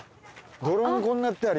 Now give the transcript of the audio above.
泥んこになったり。